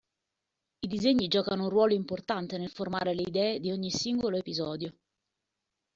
I disegni giocano un ruolo importante nel formare le idee di ogni singolo episodio.